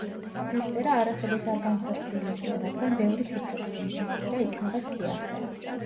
ფერწერა არასოდეს არ განხორციელებულა, რადგან ბევრი ფიქრობს, რომ ფერწერა იქნება „სიახლე“.